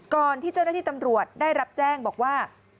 ก่อนที่เจ้าหน้าที่ตำรวจได้รับแจ้งบอกว่า